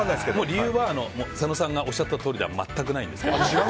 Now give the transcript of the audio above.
理由は佐野さんがおっしゃったとおりでは全くないんですけど。